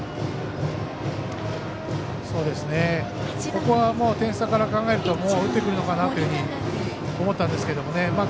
ここは点差から考えるともう打ってくるのかなと思ったんですけどね。